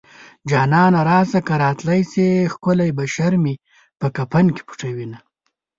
جانانه راشه که راتلی شې ښکلی بشر مې په کفن کې پټوينه